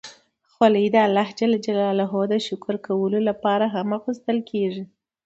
خولۍ د خدای شکر ادا کولو لپاره هم اغوستل کېږي.